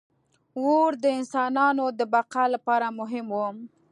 • اور د انسانانو د بقا لپاره مهم و.